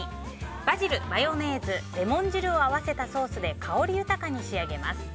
バジル、マヨネーズ、レモン汁を合わせたソースで香り豊かに仕上げます。